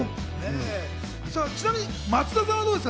ちなみに松田さんはどうですか？